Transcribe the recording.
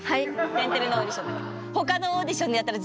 「天てれ」のオーディションだけ。